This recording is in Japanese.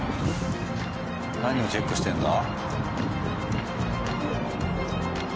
何をチェックしてんだ？